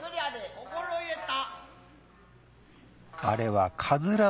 心得た。